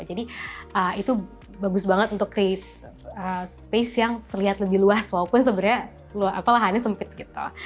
jadi itu bagus banget untuk create space yang terlihat lebih luas walaupun sebenarnya lahan lahannya sempit gitu